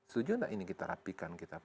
setuju tidak kita rapikan